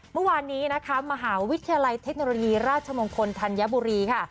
เมื่อวานนี้นะคะมหาวิทยาลัยเทคโนโลยีราชมงคลธัญบุรีค่ะ